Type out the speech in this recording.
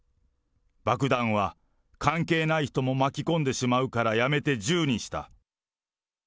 爆弾は、関係ない人も巻き込んでしまうからやめて銃にした。